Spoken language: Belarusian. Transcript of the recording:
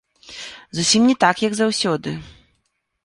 Зусім не так, як заўсёды.